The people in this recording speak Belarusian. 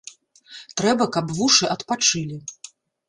Трэба, каб вушы адпачылі!